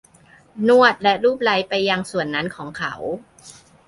นวดและลูบไล้ไปยังส่วนนั้นของเขา